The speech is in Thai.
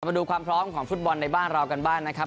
มาดูความพร้อมของฟุตบอลในบ้านเรากันบ้างนะครับ